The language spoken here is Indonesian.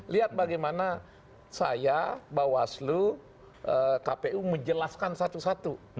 lihat bagaimana saya bawaslu kpu menjelaskan satu satu